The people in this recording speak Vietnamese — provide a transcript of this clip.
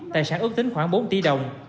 tài sản ước tính khoảng bốn tỷ đồng